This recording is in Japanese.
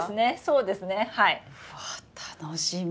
うわ楽しみ！